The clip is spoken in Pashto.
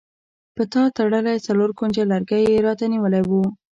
په تار تړلی څلور کونجه لرګی یې راته نیولی و.